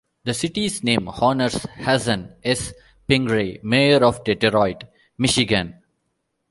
The city's name honors Hazen S. Pingree, Mayor of Detroit, Michigan.